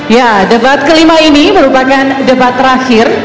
ya debat kelima ini merupakan debat terakhir